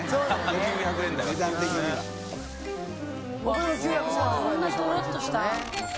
こんなドロッとした天津飯。